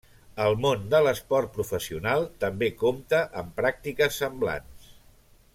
El món de l’esport professional també compta amb pràctiques semblants.